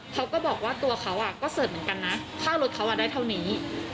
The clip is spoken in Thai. เขาก็บอกว่าตัวเขาก็เสิร์ฟเหมือนกันนะค่ารถเขาได้เท่านี้